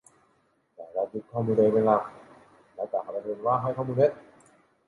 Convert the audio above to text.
แต่รัฐยึดข้อมูลตัวเองเป็นหลักและกล่าวหาประชาชนว่าให้ข้อมูลเท็จ